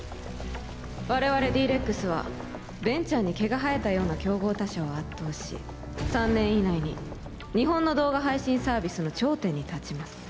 我々Ｄ−ＲＥＸはベンチャーに毛が生えたような競合他社を圧倒し３年以内に日本の動画配信サービスの頂点に立ちます